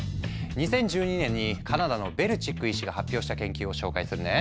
２０１２年にカナダのベルチック医師が発表した研究を紹介するね。